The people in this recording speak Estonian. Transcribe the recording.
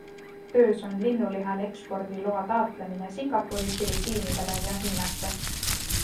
Töös on linnulihale ekspordiloa taotlemine Singapuri, Filipiinidele ja Hiinasse.